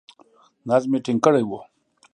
نظم یې ټینګ کړی وو.